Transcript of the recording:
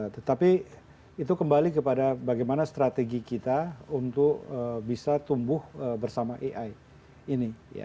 tetapi itu kembali kepada bagaimana strategi kita untuk bisa tumbuh bersama ai ini